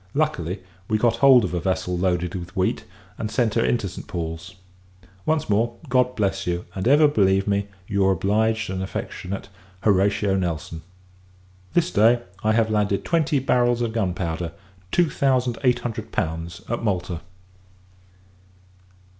Luckily, we got hold of a vessel loaded with wheat, and sent her into St. Paul's. Once more, God bless you! and ever believe me, your obliged and affectionate HORATIO NELSON. This day, I have landed twenty barrels of gunpowder (two thousand eight hundred pounds) at Malta.